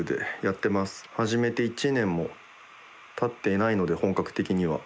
始めて１年もたっていないので本格的には。